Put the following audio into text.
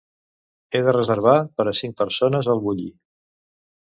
He de reservar per a cinc persones al Bulli.